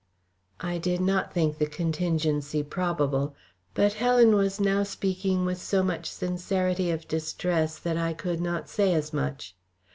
I did not think the contingency probable, but Helen was now speaking with so much sincerity of distress that I could not say as much.